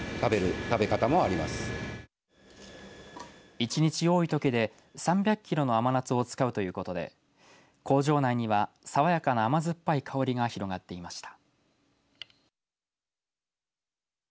一日多いときで３００キロの甘夏を使うということで工場内にはさわやかな甘酸っぱい香りが広がっていました。